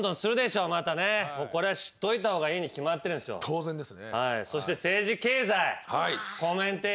当然ですね。